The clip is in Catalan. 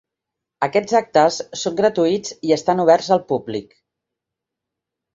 Aquests actes són gratuïts i estan oberts al públic.